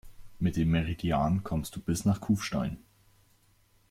Mit dem Meridian kommst du bis nach Kufstein.